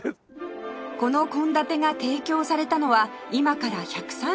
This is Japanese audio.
この献立が提供されたのは今から１３８年前